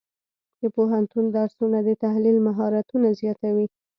د پوهنتون درسونه د تحلیل مهارتونه زیاتوي.